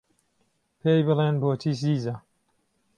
پێی بڵێن بۆچی زیزه